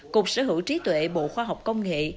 cục sở hữu trí tuệ bộ khoa học công nghệ